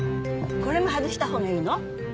これも外した方がいいの？